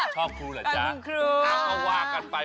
ช็อกครูเหรอจ้า